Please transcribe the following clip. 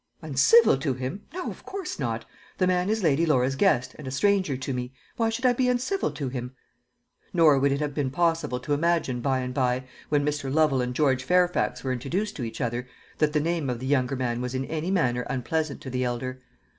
"Uncivil to him! No, of course not. The man is Lady Laura's guest, and a stranger to me; why should I be uncivil to him?" Nor would it have been possible to imagine by and by, when Mr. Lovel and George Fairfax were introduced to each other, that the name of the younger man was in any manner unpleasant to the elder.